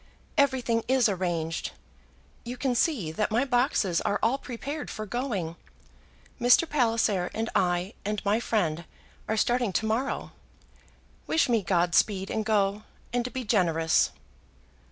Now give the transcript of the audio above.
Everything is arranged. You can see that my boxes are all prepared for going. Mr. Palliser and I, and my friend, are starting to morrow. Wish me God speed and go, and be generous."